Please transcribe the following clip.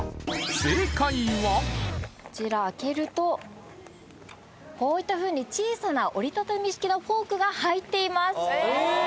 正解はこちら開けるとこういったふうに小さな折りたたみ式のフォークが入ってます